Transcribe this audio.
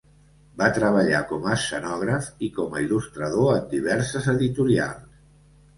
Va treballar com a escenògraf i com a il·lustrador en diverses editorials.